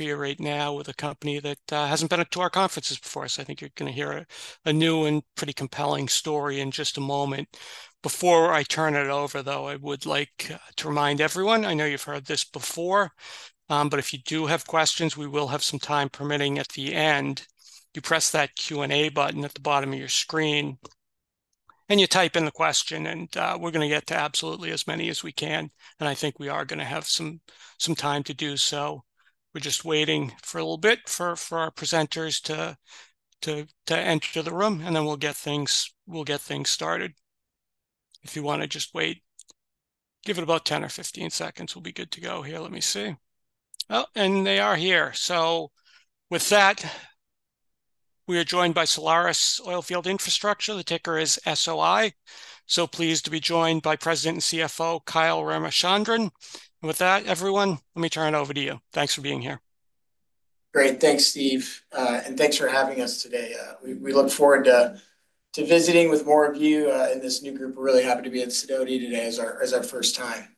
We're right now with a company that hasn't been to our conferences before, so I think you're going to hear a new and pretty compelling story in just a moment. Before I turn it over, though, I would like to remind everyone, I know you've heard this before but if you do have questions, we will have some time permitting at the end. You press that Q&A button at the bottom of your screen, and you type in the question, and we're going to get to absolutely as many as we can. I think we are going to have some time to do so. We're just waiting for a little bit for our presenters to enter the room, and then we'll get things started. If you want to just wait, give it about 10 or 15 seconds. We'll be good to go here. Let me see. Oh, and they are here. With that, we are joined by Solaris Oilfield Infrastructure. The ticker is SOI. Pleased to be joined by President and CFO Kyle Ramachandran. With that, everyone, let me turn it over to you. Thanks for being here. Great. Thanks, Steve and thanks for having us today. We look forward to visiting with more of you in this new group. We're really happy to be at Sidoti today as our first time.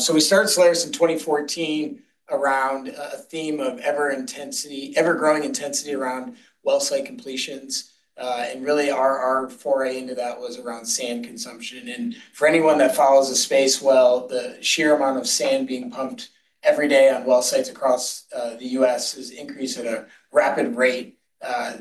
So we started Solaris in 2014 around a theme of ever-growing intensity around well site completions and really, our foray into that was around sand consumption. For anyone that follows the space well, the sheer amount of sand being pumped every day on well sites across the U.S. has increased at a rapid rate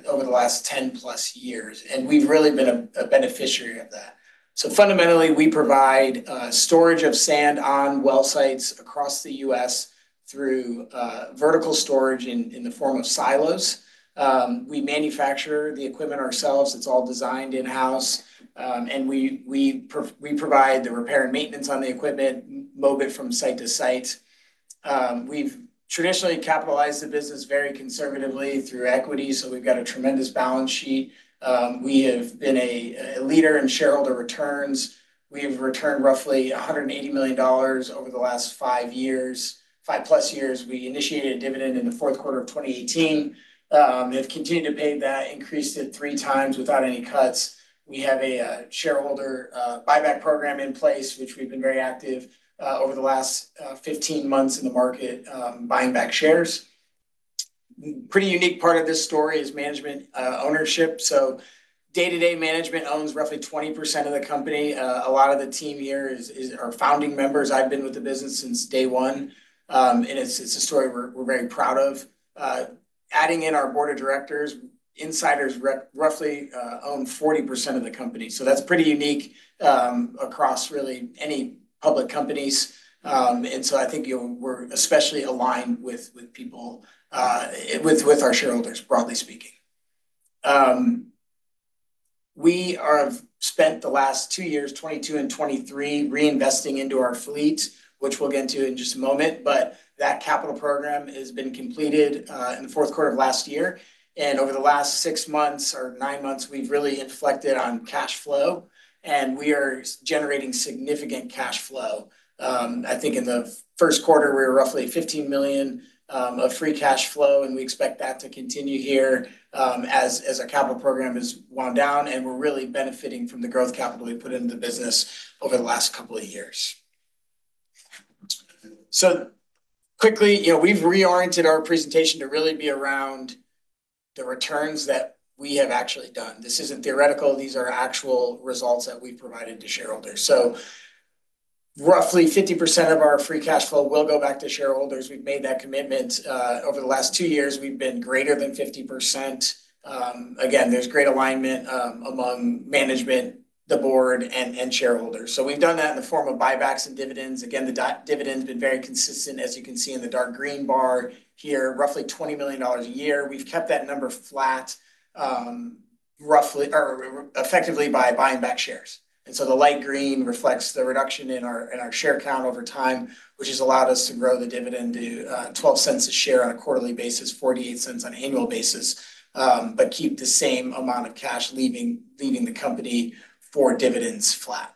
over the last 10+ years, and we've really been a beneficiary of that. So fundamentally, we provide storage of sand on well sites across the U.S. through vertical storage in the form of silos. We manufacture the equipment ourselves. It's all designed in-house and we provide the repair and maintenance on the equipment, move it from site to site. We've traditionally capitalized the business very conservatively through equity, so we've got a tremendous balance sheet. We have been a leader in shareholder returns. We have returned roughly $180 million over the last five years. Five+ years. We initiated a dividend in the fourth quarter of 2018, have continued to pay that, increased it three times without any cuts. We have a shareholder buyback program in place, which we've been very active over the last 15 months in the market, buying back shares. Pretty unique part of this story is management ownership. So day-to-day management owns roughly 20% of the company. A lot of the team here are founding members. I've been with the business since day one and it's a story we're very proud of. Adding in our board of directors, insiders roughly own 40% of the company. So that's pretty unique across really any public companies. I think we're especially aligned with people, with our shareholders, broadly speaking. We have spent the last two years, 2022 and 2023, reinvesting into our fleet, which we'll get into in just a moment. That capital program has been completed in the fourth quarter of last year. Over the last six months or nine months, we've really inflected on cash flow. We are generating significant cash flow. I think in the first quarter, we were roughly $15 million of free cash flow, and we expect that to continue here as our capital program has wound down. We're really benefiting from the growth capital we put into the business over the last couple of years. Quickly, we've reoriented our presentation to really be around the returns that we have actually done. This isn't theoretical. These are actual results that we've provided to shareholders. So roughly 50% of our free cash flow will go back to shareholders. We've made that commitment over the last two years. We've been greater than 50%. Again, there's great alignment among management, the board, and shareholders. So we've done that in the form of buybacks and dividends. Again, the dividend has been very consistent, as you can see in the dark green bar here, roughly $20 million a year. We've kept that number flat effectively by buying back shares and so the light green reflects the reduction in our share count over time, which has allowed us to grow the dividend to $0.12 a share on a quarterly basis, $0.48 on an annual basis, but keep the same amount of cash leaving the company for dividends flat.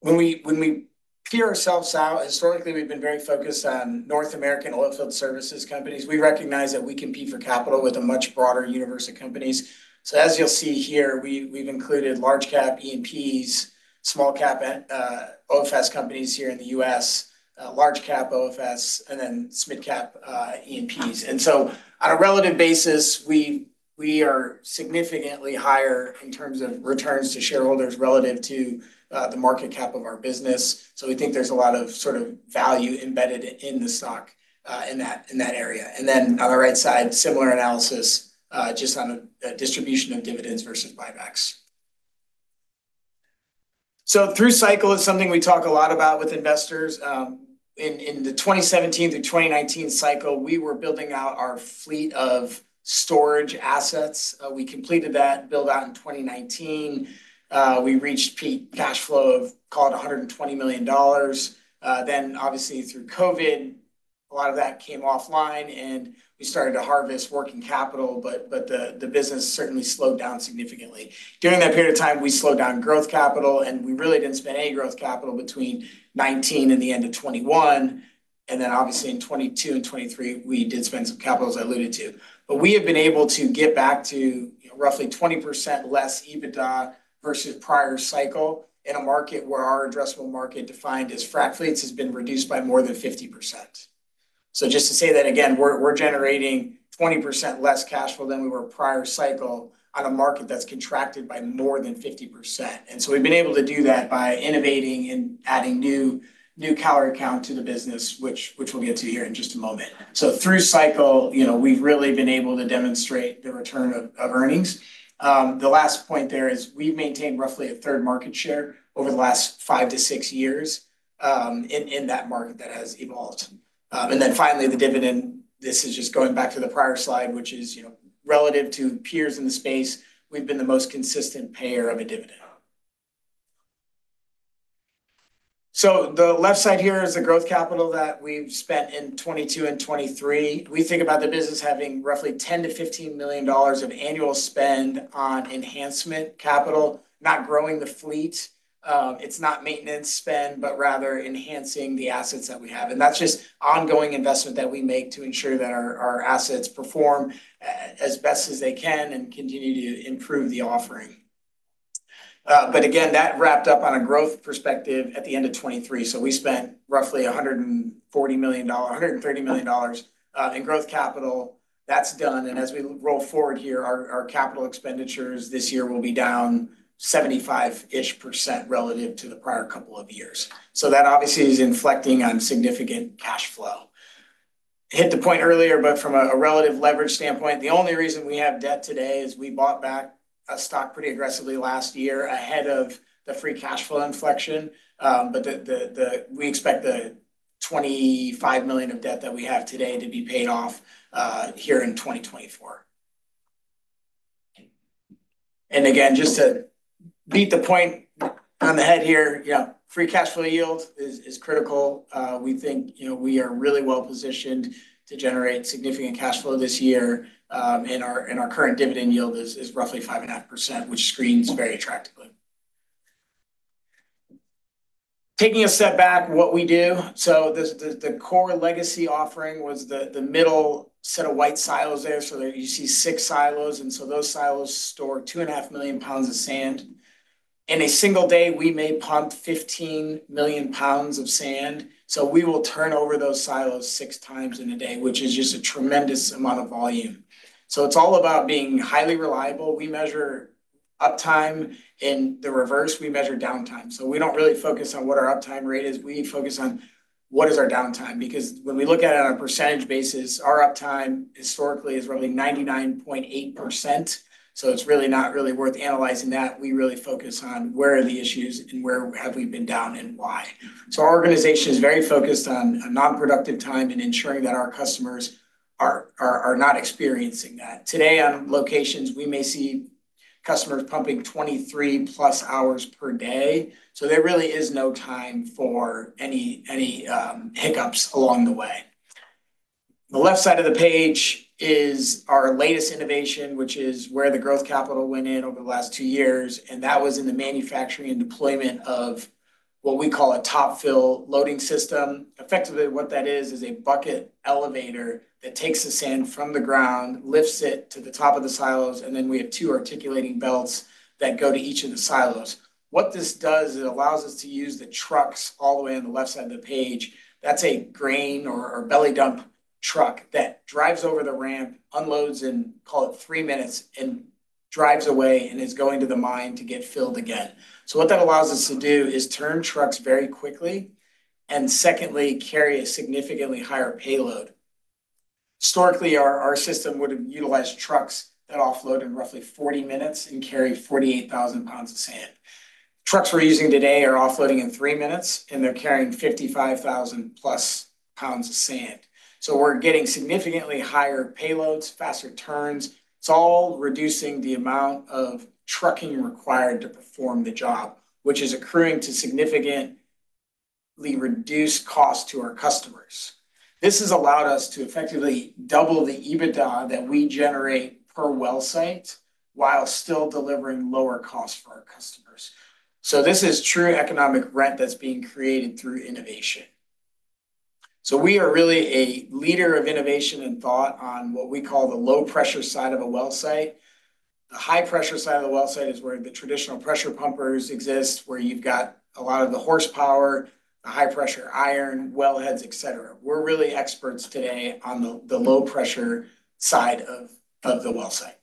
When we peer ourselves out, historically, we've been very focused on North American oilfield services companies. We recognize that we compete for capital with a much broader universe of companies. So as you'll see here, we've included large-cap E&Ps, small-cap OFS companies here in the U.S., large-cap OFS, and then mid-cap E&Ps. So on a relative basis, we are significantly higher in terms of returns to shareholders relative to the market cap of our business. So we think there's a lot of sort of value embedded in the stock in that area. Then on the right side, similar analysis just on a distribution of dividends versus buybacks. So through cycle is something we talk a lot about with investors. In the 2017 through 2019 cycle, we were building out our fleet of storage assets. We completed that build-out in 2019. We reached peak cash flow of, call it, $120 million. Obviously, through COVID, a lot of that came offline, and we started to harvest working capital. The business certainly slowed down significantly. During that period of time, we slowed down growth capital, and we really didn't spend any growth capital between 2019 and the end of 2021. In 2022 and 2023, we did spend some capital as I alluded to. We have been able to get back to roughly 20% less EBITDA versus prior cycle in a market where our addressable market defined as frac fleets has been reduced by more than 50%. Just to say that again, we're generating 20% less cash flow than we were prior cycle on a market that's contracted by more than 50%. So we've been able to do that by innovating and adding new calorie count to the business, which we'll get to here in just a moment. So through cycle, we've really been able to demonstrate the return of earnings. The last point there is we've maintained roughly a third market share over the last 5-6 years in that market that has evolved. Then finally, the dividend, this is just going back to the prior slide, which is relative to peers in the space, we've been the most consistent payer of a dividend. So the left side here is the growth capital that we've spent in 2022 and 2023. We think about the business having roughly $10-$15 million of annual spend on enhancement capital, not growing the fleet. It's not maintenance spend, but rather enhancing the assets that we have. That's just ongoing investment that we make to ensure that our assets perform as best as they can and continue to improve the offering. But again, that wrapped up on a growth perspective at the end of 2023. So we spent roughly $130 million in growth capital. That's done. As we roll forward here, our capital expenditures this year will be down 75%-ish relative to the prior couple of years. So that obviously is inflecting on significant cash flow. Hit the point earlier, but from a relative leverage standpoint, the only reason we have debt today is we bought back a stock pretty aggressively last year ahead of the free cash flow inflection but we expect the $25 million of debt that we have today to be paid off here in 2024. Again, just to beat the point on the head here, free cash flow yield is critical. We think we are really well-positioned to generate significant cash flow this year and our current dividend yield is roughly 5.5%, which screens very attractively. Taking a step back, what we do, so the core legacy offering was the middle set of white silos there. So you see six silos. And so those silos store 2.5 million pounds of sand. In a single day, we may pump 15 million pounds of sand. So we will turn over those silos 6x in a day, which is just a tremendous amount of volume. So it's all about being highly reliable. We measure uptime. In the reverse, we measure downtime. So we don't really focus on what our uptime rate is. We focus on what is our downtime. When we look at it on a percentage basis, our uptime historically is roughly 99.8%. So it's really not really worth analyzing that. We really focus on where are the issues and where have we been down and why. So our organization is very focused on nonproductive time and ensuring that our customers are not experiencing that. Today, on locations, we may see customers pumping 23+ hours per day. So there really is no time for any hiccups along the way. The left side of the page is our latest innovation, which is where the growth capital went in over the last two years and that was in the manufacturing and deployment of what we call a top-fill loading system. Effectively, what that is, is a bucket elevator that takes the sand from the ground, lifts it to the top of the silos, and then we have two articulating belts that go to each of the silos. What this does, it allows us to use the trucks all the way on the left side of the page. That's a grain or belly dump truck that drives over the ramp, unloads in, call it, three minutes, and drives away and is going to the mine to get filled again. So what that allows us to do is turn trucks very quickly and, secondly, carry a significantly higher payload. Historically, our system would have utilized trucks that offload in roughly 40 minutes and carry 48,000 pounds of sand. Trucks we're using today are offloading in three minutes, and they're carrying 55,000+ pounds of sand. So we're getting significantly higher payloads, faster turns. It's all reducing the amount of trucking required to perform the job, which is accruing to significantly reduced costs to our customers. This has allowed us to effectively double the EBITDA that we generate per well site while still delivering lower costs for our customers. So this is true economic rent that's being created through innovation. So we are really a leader of innovation and thought on what we call the low-pressure side of a well site. The high-pressure side of the well site is where the traditional pressure pumpers exist, where you've got a lot of the horsepower, the high-pressure iron, well heads, etc. We're really experts today on the low-pressure side of the well site.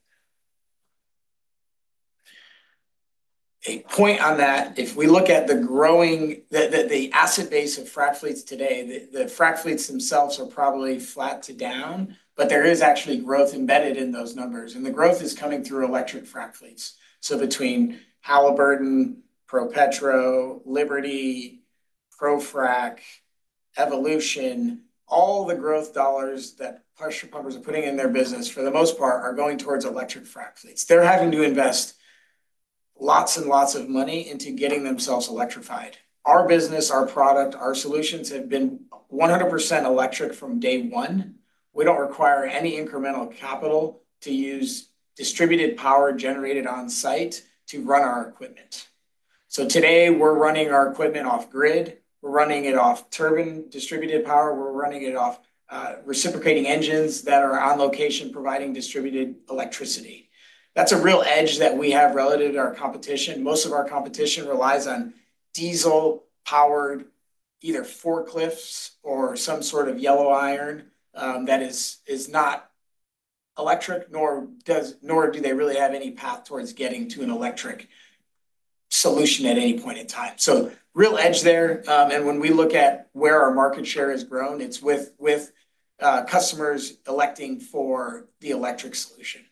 A point on that, if we look at the growing asset base of frac fleets today, the frac fleets themselves are probably flat to down, but there is actually growth embedded in those numbers. The growth is coming through electric frac fleets. So between Halliburton, ProPetro, Liberty, ProFrac, Evolution, all the growth dollars that pressure pumpers are putting in their business, for the most part, are going towards electric frac fleets. They're having to invest lots and lots of money into getting themselves electrified. Our business, our product, our solutions have been 100% electric from day one. We don't require any incremental capital to use distributed power generated on site to run our equipment. So today, we're running our equipment off-grid. We're running it off turbine distributed power. We're running it off reciprocating engines that are on location providing distributed electricity. That's a real edge that we have relative to our competition. Most of our competition relies on diesel-powered either forklifts or some sort of yellow iron that is not electric, nor do they really have any path towards getting to an electric solution at any point in time. So real edge there. When we look at where our market share has grown, it's with customers electing for the electric solution.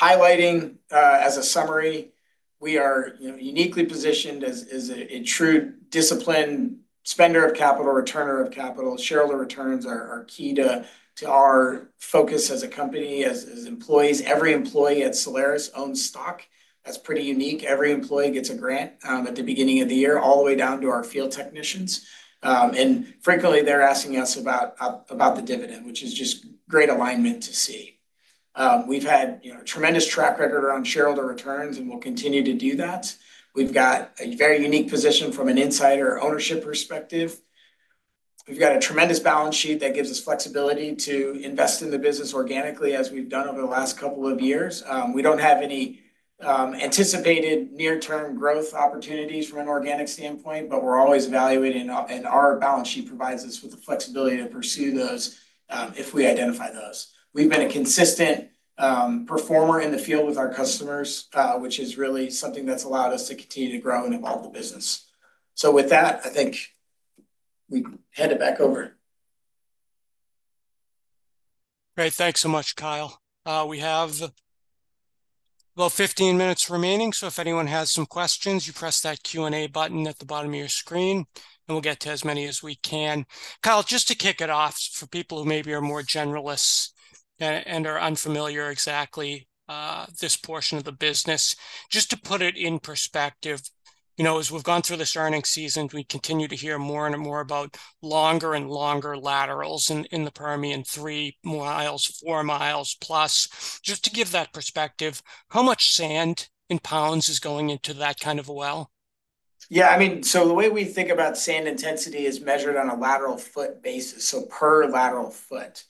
Highlighting as a summary, we are uniquely positioned as a true disciplined spender of capital, returner of capital. Shareholder returns are key to our focus as a company. As employees, every employee at Solaris owns stock. That's pretty unique. Every employee gets a grant at the beginning of the year all the way down to our field technicians and frequently, they're asking us about the dividend, which is just great alignment to see. We've had a tremendous track record around shareholder returns, and we'll continue to do that. We've got a very unique position from an insider ownership perspective. We've got a tremendous balance sheet that gives us flexibility to invest in the business organically as we've done over the last couple of years. We don't have any anticipated near-term growth opportunities from an organic standpoint, but we're always evaluating, and our balance sheet provides us with the flexibility to pursue those if we identify those. We've been a consistent performer in the field with our customers, which is really something that's allowed us to continue to grow and evolve the business. So with that, I think we hand it back over. Great. Thanks so much, Kyle. We have about 15 minutes remaining. So if anyone has some questions, you press that Q&A button at the bottom of your screen, and we'll get to as many as we can. Kyle, just to kick it off for people who maybe are more generalists and are unfamiliar exactly with this portion of the business, just to put it in perspective, as we've gone through this earnings season, we continue to hear more and more about longer and longer laterals in the Permian 3 miles, 4 miles+. Just to give that perspective, how much sand in pounds is going into that kind of a well? Yeah. I mean, so the way we think about sand intensity is measured on a lateral foot basis, so per lateral foot.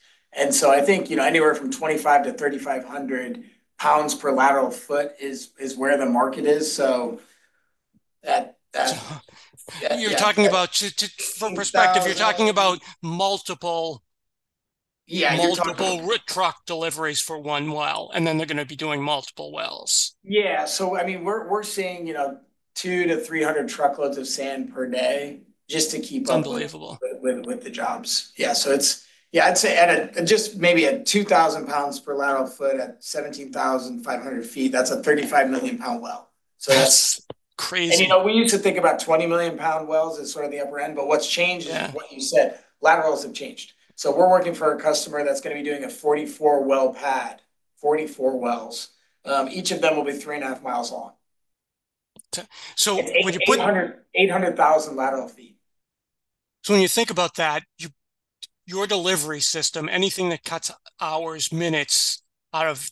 So I think anywhere from 2,500-3,500 pounds per lateral foot is where the market is. So that's- You're talking about, for perspective, you're talking about multiple route truck deliveries for one well, and then they're going to be doing multiple wells. Yeah. So I mean, we're seeing 200-300 truckloads of sand per day just to keep up with the jobs. Yeah. So yeah, I'd say just maybe at 2,000 pounds per lateral foot at 17,500 feet, that's a 35 million-pound well. So that's crazy. We used to think about 20 million-pound wells as sort of the upper end. But what's changed is what you said. Laterals have changed. So we're working for a customer that's going to be doing a 44-well pad, 44 wells. Each of them will be 3.5 miles long. So when you put 800,000 lateral feet. So when you think about that, your delivery system, anything that cuts hours, minutes out of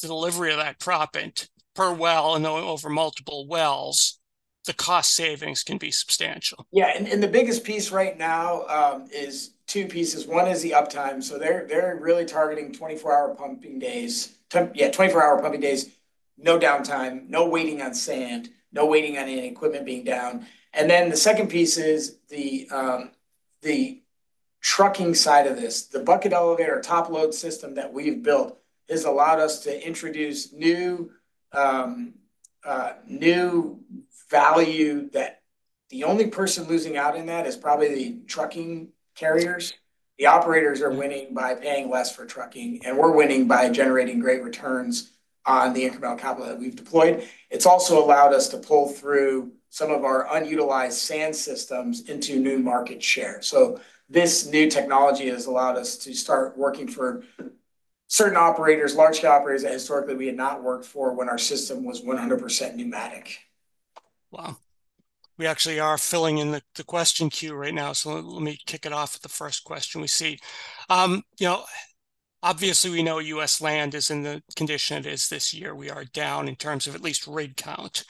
the delivery of that proppant per well and over multiple wells, the cost savings can be substantial. Yeah, and the biggest piece right now is two pieces. One is the uptime. So they're really targeting 24-hour pumping days. Yeah, 24-hour pumping days. No downtime, no waiting on sand, no waiting on any equipment being down. Then the second piece is the trucking side of this. The bucket elevator top load system that we've built has allowed us to introduce new value that the only person losing out in that is probably the trucking carriers. The operators are winning by paying less for trucking, and we're winning by generating great returns on the incremental capital that we've deployed. It's also allowed us to pull through some of our unutilized sand systems into new market share. So this new technology has allowed us to start working for certain operators, large-scale operators that historically we had not worked for when our system was 100% pneumatic. Wow. We actually are filling in the question queue right now. So let me kick it off with the first question we see. Obviously, we know U.S. land is in the condition it is this year. We are down in terms of at least rig count.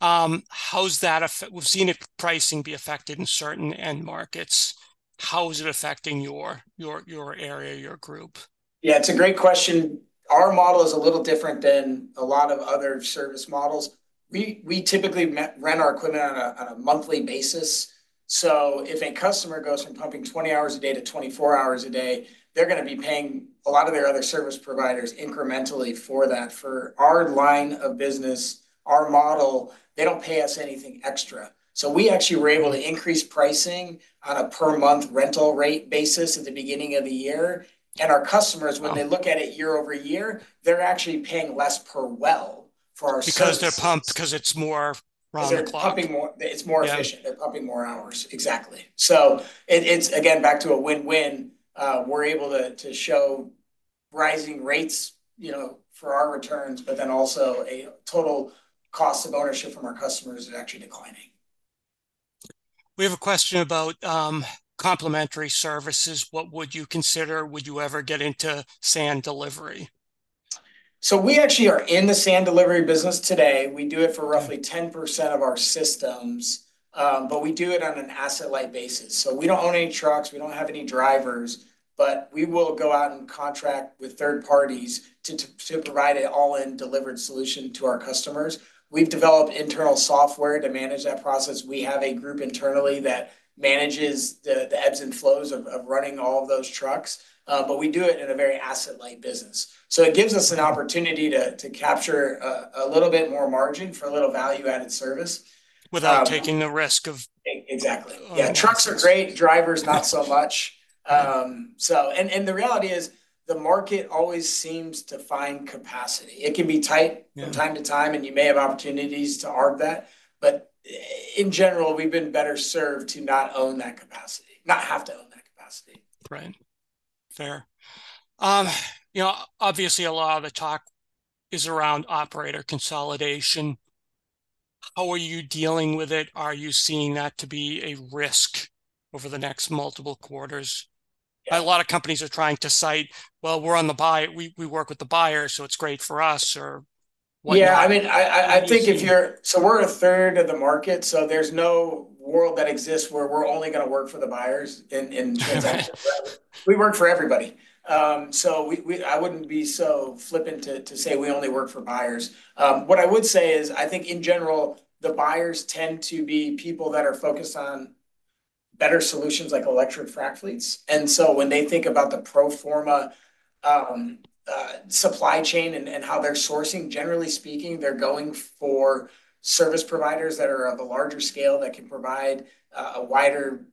How's that? We've seen pricing be affected in certain end markets. How is it affecting your area, your group? Yeah. It's a great question. Our model is a little different than a lot of other service models. We typically rent our equipment on a monthly basis. So if a customer goes from pumping 20 hours a day to 24 hours a day, they're going to be paying a lot of their other service providers incrementally for that. For our line of business, our model, they don't pay us anything extra. So we actually were able to increase pricing on a per-month rental rate basis at the beginning of the year and our customers, when they look at it year-over-year, they're actually paying less per well for our stuff. Because they're pumped because it's more round the clock? They're pumping more. It's more efficient. They're pumping more hours. Exactly. So again, back to a win-win, we're able to show rising rates for our returns, but then also a total cost of ownership from our customers is actually declining. We have a question about complementary services. What would you consider? Would you ever get into sand delivery? So we actually are in the sand delivery business today. We do it for roughly 10% of our systems, but we do it on an asset-like basis. So we don't own any trucks. We don't have any drivers but we will go out and contract with third parties to provide an all-in delivered solution to our customers. We've developed internal software to manage that process. We have a group internally that manages the ebbs and flows of running all of those trucks but we do it in a very asset-light business. So it gives us an opportunity to capture a little bit more margin for a little value-added service. Without taking the risk of? Exactly. Yeah. Trucks are great. Drivers, not so much. The reality is the market always seems to find capacity. It can be tight from time to time, and you may have opportunities to arbitrage that but in general, we've been better served to not own that capacity, not have to own that capacity. Right. Fair. Obviously, a lot of the talk is around operator consolidation. How are you dealing with it? Are you seeing that to be a risk over the next multiple quarters? A lot of companies are trying to cite, "Well, we're on the buy. We work with the buyer, so it's great for us," or whatever. Yeah. I mean, I think if you're—so we're a third of the market. So there's no world that exists where we're only going to work for the buyers in transactions. We work for everybody. So I wouldn't be so flippant to say we only work for buyers. What I would say is, I think in general, the buyers tend to be people that are focused on better solutions like electric frac fleets. So when they think about the pro forma supply chain and how they're sourcing, generally speaking, they're going for service providers that are of a larger scale that can provide a wider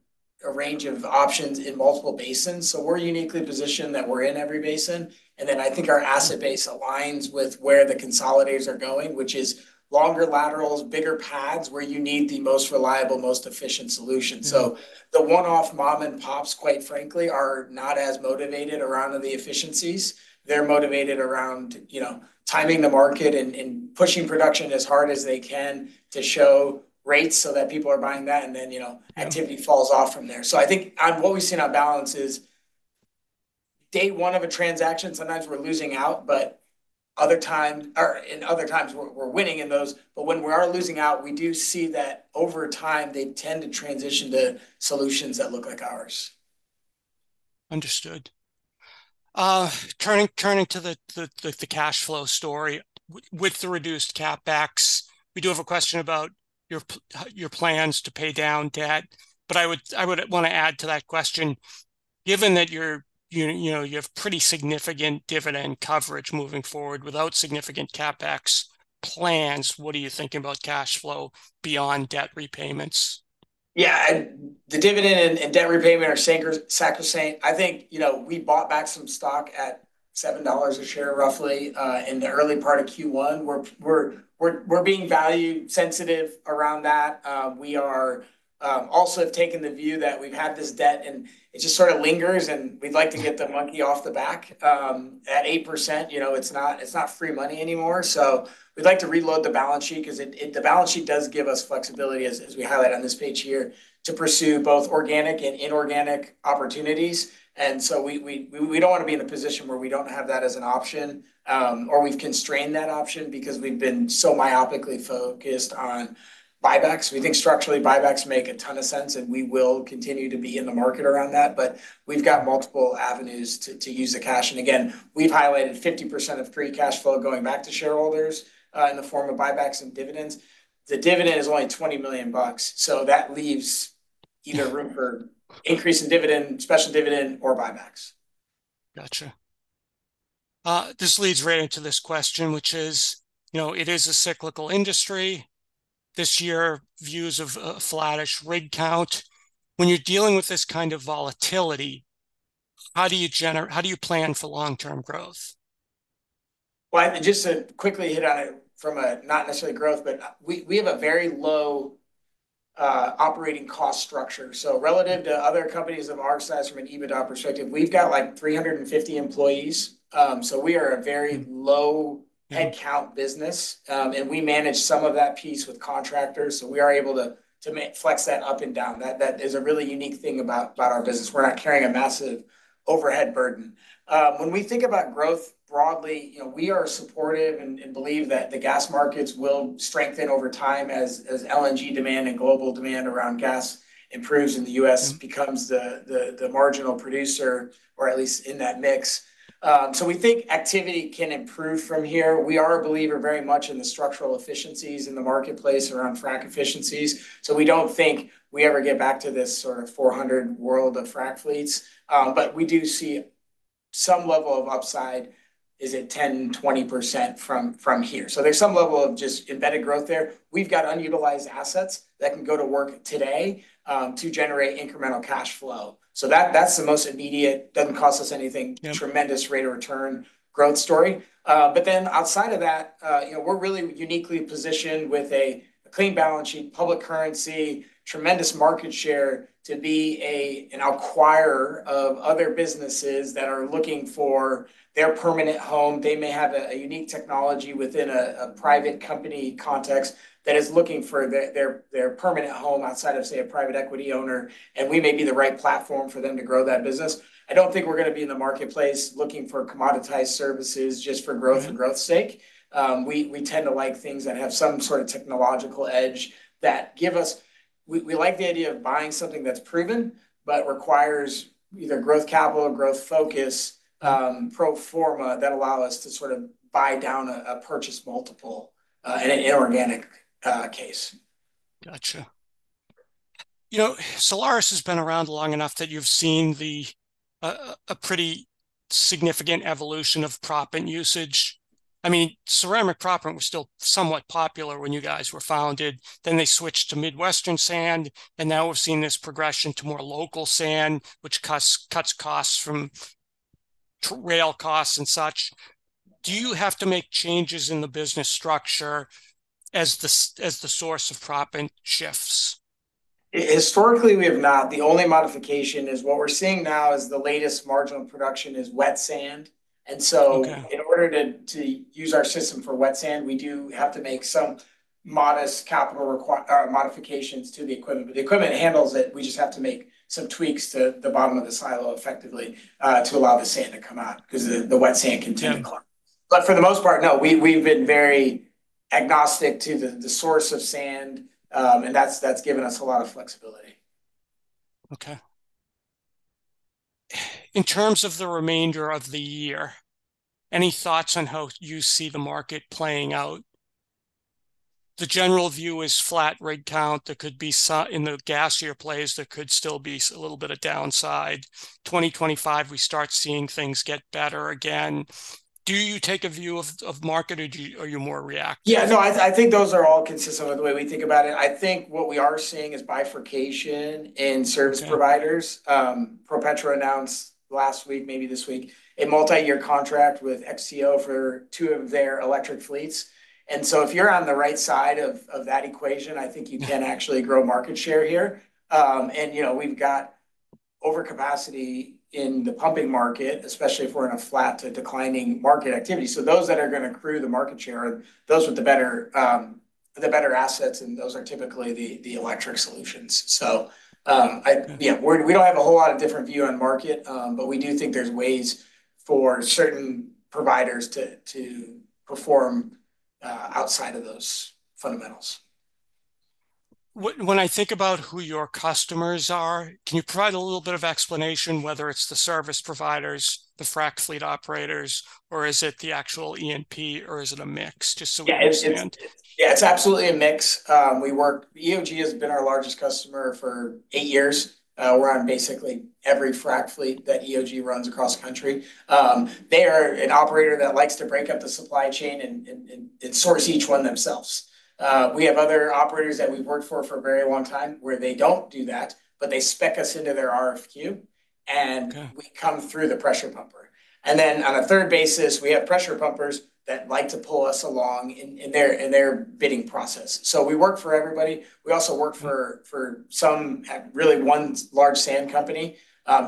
range of options in multiple basins. So we're uniquely positioned that we're in every basin. Then I think our asset base aligns with where the consolidators are going, which is longer laterals, bigger pads where you need the most reliable, most efficient solution. So the one-off mom-and-pops, quite frankly, are not as motivated around the efficiencies. They're motivated around timing the market and pushing production as hard as they can to show rates so that people are buying that, and then activity falls off from there. So I think what we've seen on balance is day one of a transaction, sometimes we're losing out, but other times, or in other times, we're winning in those but when we are losing out we do see that over time they tend to transition to solutions that look like ours. Understood. Turning to the cash flow story, with the reduced CapEx, we do have a question about your plans to pay down debt but I would want to add to that question, given that you have pretty significant dividend coverage moving forward without significant CapEx plans, what are you thinking about cash flow beyond debt repayments? Yeah. The dividend and debt repayment are sacrosanct. I think we bought back some stock at $7 a share, roughly, in the early part of Q1. We're being value-sensitive around that. We also have taken the view that we've had this debt, and it just sort of lingers, and we'd like to get the monkey off the back. At 8%, it's not free money anymore. So we'd like to reload the balance sheet because the balance sheet does give us flexibility, as we highlight on this page here, to pursue both organic and inorganic opportunities. So we don't want to be in a position where we don't have that as an option, or we've constrained that option because we've been so myopically focused on buybacks. We think structurally, buybacks make a ton of sense, and we will continue to be in the market around that but we've got multiple avenues to use the cash. Again, we've highlighted 50% of free cash flow going back to shareholders in the form of buybacks and dividends. The dividend is only $20 million. So that leaves either room for increase in dividend, special dividend, or buybacks. Gotcha. This leads right into this question, which is, it is a cyclical industry. This year, views of a flattish rig count. When you're dealing with this kind of volatility, how do you plan for long-term growth? Well, just to quickly hit on it from a not necessarily growth, but we have a very low operating cost structure. So relative to other companies of our size from an EBITDA perspective, we've got 350 employees. So we are a very low-headcount business, and we manage some of that piece with contractors. So we are able to flex that up and down. That is a really unique thing about our business. We're not carrying a massive overhead burden. When we think about growth broadly, we are supportive and believe that the gas markets will strengthen over time as LNG demand and global demand around gas improves and the U.S. becomes the marginal producer, or at least in that mix. So we think activity can improve from here. We are a believer very much in the structural efficiencies in the marketplace around frac efficiencies. So we don't think we ever get back to this sort of 400 world of frac fleets but we do see some level of upside, is it 10%-20% from here? So there's some level of just embedded growth there. We've got unutilized assets that can go to work today to generate incremental cash flow. So that's the most immediate, doesn't cost us anything, tremendous rate of return growth story. Then outside of that, we're really uniquely positioned with a clean balance sheet, public currency, tremendous market share to be an acquirer of other businesses that are looking for their permanent home. They may have a unique technology within a private company context that is looking for their permanent home outside of, say, a private equity owner and we may be the right platform for them to grow that business. I don't think we're going to be in the marketplace looking for commoditized services just for growth for growth's sake. We tend to like things that have some sort of technological edge that give us- we like the idea of buying something that's proven but requires either growth capital, growth focus, pro forma that allow us to sort of buy down a purchase multiple in an inorganic case. Gotcha. Solaris has been around long enough that you've seen a pretty significant evolution of proppant usage. I mean, ceramic proppant was still somewhat popular when you guys were founded. Then they switched to Midwestern sand, and now we've seen this progression to more local sand, which cuts costs from rail costs and such. Do you have to make changes in the business structure as the source of proppant shifts? Historically, we have not. The only modification is what we're seeing now is the latest marginal production is wet sand and so in order to use our system for wet sand, we do have to make some modest capital modifications to the equipment. But the equipment handles it. We just have to make some tweaks to the bottom of the silo effectively to allow the sand to come out because the wet sand can do the cleaning. But for the most part, no, we've been very agnostic to the source of sand, and that's given us a lot of flexibility. Okay. In terms of the remainder of the year, any thoughts on how you see the market playing out? The general view is flat rig count. There could be in the gassier plays, there could still be a little bit of downside. 2025, we start seeing things get better again. Do you take a view of market, or are you more reactive? Yeah. No, I think those are all consistent with the way we think about it. I think what we are seeing is bifurcation in service providers. ProPetro announced last week, maybe this week, a multi-year contract with XTO for 2 of their electric fleets and so if you're on the right side of that equation, I think you can actually grow market share here. We've got overcapacity in the pumping market, especially if we're in a flat to declining market activity. So those that are going to accrue the market share are those with the better assets, and those are typically the electric solutions. So yeah, we don't have a whole lot of different view on market, but we do think there's ways for certain providers to perform outside of those fundamentals. When I think about who your customers are, can you provide a little bit of explanation whether it's the service providers, the frac fleet operators, or is it the actual E&P, or is it a mix just so we understand? Yeah. It's absolutely a mix. EOG has been our largest customer for eight years. We're on basically every frac fleet that EOG runs across the country. They are an operator that likes to break up the supply chain and source each one themselves. We have other operators that we've worked for for a very long time where they don't do that, but they spec us into their RFQ, and we come through the pressure pumper. Then on a third basis, we have pressure pumpers that like to pull us along in their bidding process. So we work for everybody. We also work for some really one large sand company.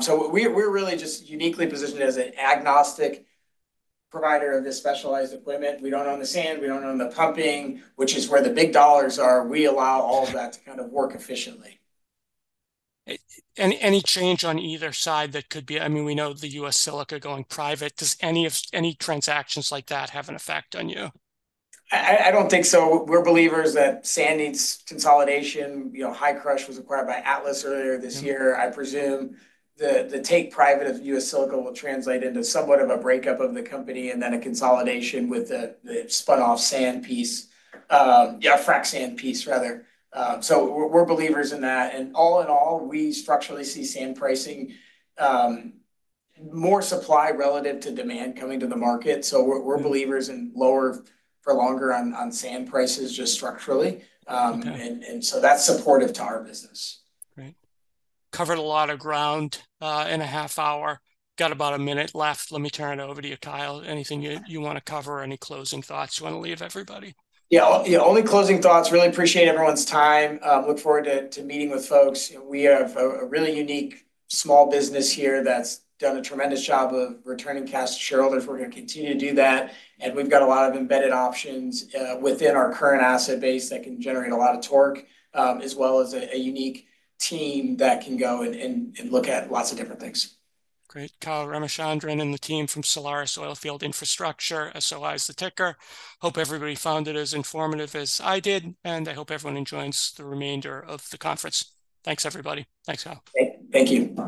So we're really just uniquely positioned as an agnostic provider of this specialized equipment. We don't own the sand. We don't own the pumping, which is where the big dollars are. We allow all of that to kind of work efficiently. Any change on either side that could be? I mean, we know the U.S. Silica going private. Does any transactions like that have an effect on you? I don't think so. We're believers that sand needs consolidation. Hi-Crush was acquired by Atlas earlier this year, I presume. The take-private of U.S. Silica will translate into somewhat of a breakup of the company and then a consolidation with the spun-off sand piece, yeah, frac sand piece, rather. So we're believers in that. All in all, we structurally see sand pricing more supply relative to demand coming to the market. So we're believers in lower for longer on sand prices just structurally. So that's supportive to our business. Great. Covered a lot of ground in a half hour. Got about a minute left. Let me turn it over to you, Kyle. Anything you want to cover or any closing thoughts you want to leave everybody? Yeah. Yeah. Only closing thoughts. Really appreciate everyone's time. Look forward to meeting with folks. We have a really unique small business here that's done a tremendous job of returning cash to shareholders. We're going to continue to do that. We've got a lot of embedded options within our current asset base that can generate a lot of torque as well as a unique team that can go and look at lots of different things. Great. Kyle Ramachandran and the team from Solaris Oilfield Infrastructure, SOI is the ticker. Hope everybody found it as informative as I did, and I hope everyone enjoys the remainder of the conference. Thanks, everybody. Thanks, Kyle. Thank you.